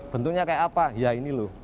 bentuknya kayak apa ya ini loh